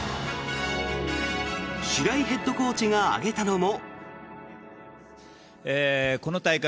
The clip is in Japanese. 白井ヘッドコーチが挙げたのも。